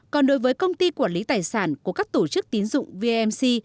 còn đối với công ty quản lý tài sản của các tổ chức tín dụng vnc